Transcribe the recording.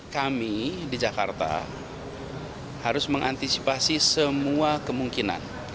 kami di jakarta harus mengantisipasi semua kemungkinan